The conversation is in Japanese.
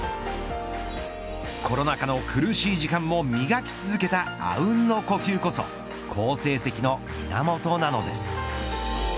コロナ禍の苦しい時間も磨き続けたあうんの呼吸こそ好成績の源なのです。